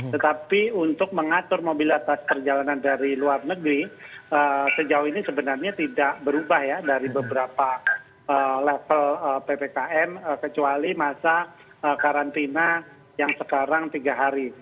tetapi untuk mengatur mobilitas perjalanan dari luar negeri sejauh ini sebenarnya tidak berubah ya dari beberapa level ppkm kecuali masa karantina yang sekarang tiga hari